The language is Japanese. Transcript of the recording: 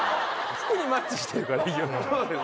服にマッチしてるからいいよね。